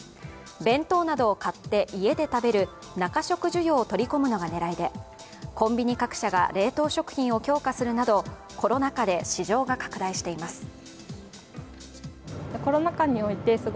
弁当などを買って家で食べる中食需要を取り込むのが狙いで、コンビニ各社が冷凍食品を強化するなどコロナ禍で市場が拡大しています。